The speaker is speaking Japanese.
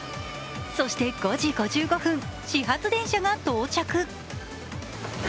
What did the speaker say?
そして、５時５５分始発電車が到着。